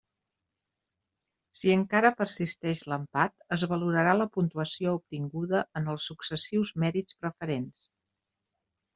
Si encara persisteix l'empat, es valorarà la puntuació obtinguda en els successius mèrits preferents.